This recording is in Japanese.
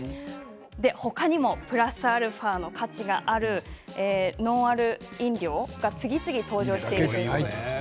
他にもプラスアルファの価値があるノンアル飲料が次々登場しています。